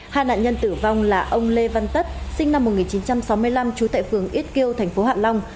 hai nạn nhân tử vong là ông lê văn tất sinh năm một nghìn chín trăm sáu mươi năm trú tại phường ít kiêu thành phố hạ long